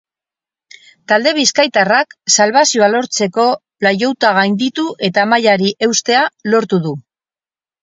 Talde bizkaitarrak salbazioa lortzeko playouta gainditu eta mailari eustea lortu du.